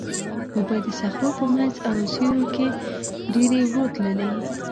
اوبه د صخرو په منځ او سیوري کې ډېرې ورو تللې.